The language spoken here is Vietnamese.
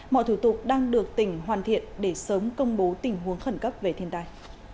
mọi thủ tục đang được tỉnh hoàn thiện để sớm công bố tình huống khẩn cấp về thiên tai